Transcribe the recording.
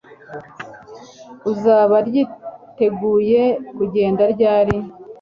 Uzaba ryiteguye kugenda ryari